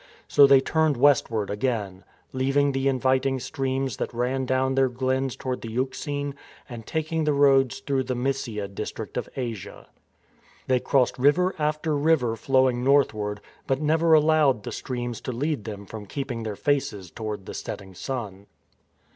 So they turned westward again, leaving the inviting streams that ran down their glens toward the Euxine,^ and taking the road through the Mysia district of Asia. They crossed river after river flowing northward, but never allowed the streams to lead them from keep ing their faces toward the setting sun.